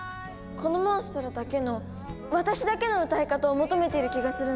このモンストロだけの私だけの歌い方を求めている気がするんです。